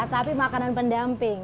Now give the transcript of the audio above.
tapi makanan pendamping